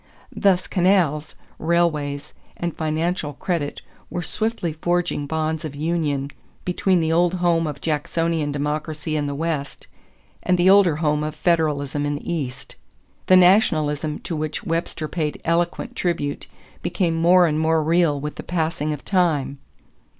Thus canals, railways, and financial credit were swiftly forging bonds of union between the old home of Jacksonian Democracy in the West and the older home of Federalism in the East. The nationalism to which Webster paid eloquent tribute became more and more real with the passing of time.